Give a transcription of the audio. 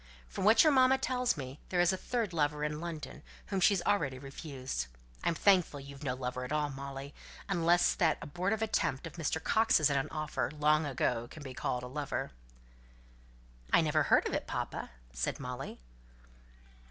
From what your mamma tells me, there is a third lover in London, whom she's already refused. I'm thankful that you've no lover at all, Molly, unless that abortive attempt of Mr. Coxe's at an offer, long ago, can be called a lover." "I never heard of it, papa!" said Molly.